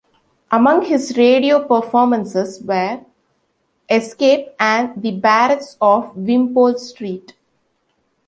Among his radio performances were "Escape" and "the Barretts of Wimpole Street".